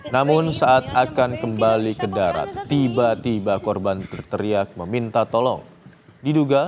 namun saat akan kembali ke darat tiba tiba korban terteriak meminta tolong diduga